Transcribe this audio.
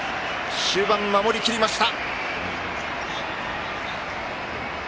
終盤守りきりました。